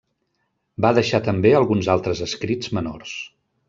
Va deixar també alguns altres escrits menors.